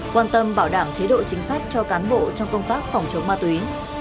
quan tâm bảo đảm chế độ chính sách cho cán bộ trong công tác phòng chống ma túy